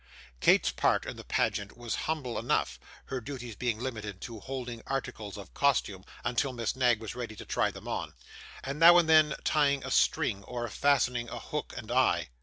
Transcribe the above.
Kate's part in the pageant was humble enough, her duties being limited to holding articles of costume until Miss Knag was ready to try them on, and now and then tying a string, or fastening a hook and eye.